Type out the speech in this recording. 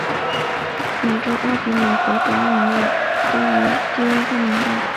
美洲鳄比美国短吻鳄对于低温更敏感。